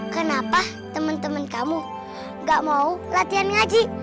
kenapa teman teman kamu gak mau latihan ngaji